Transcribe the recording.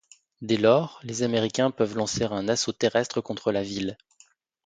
Dès lors, les Américains peuvent lancer un assaut terrestre contre la ville.